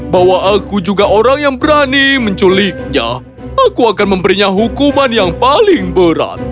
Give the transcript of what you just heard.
bahwa aku juga orang yang berani menculiknya aku akan memberinya hukuman yang paling berat